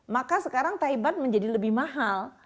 maka sekarang thai bus menjadi lebih mahal